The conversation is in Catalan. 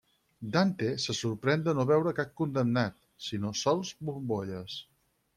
Dante se sorprèn de no veure cap condemnat, sinó sols bombolles.